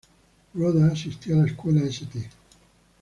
Rhoda asistió a la escuela St.